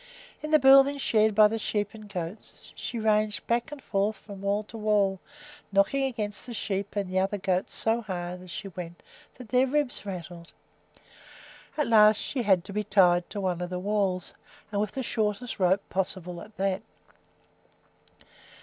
In the building shared by the sheep and goats she ranged back and forth from wall to wall, knocking against the sheep and the other goats so hard as she went that their ribs rattled. At last she had to be tied to one of the walls, and with the shortest rope possible at that.